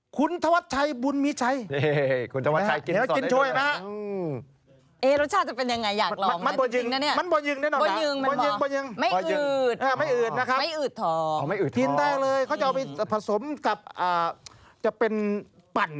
คุณธวัดชัยบุญมีชัย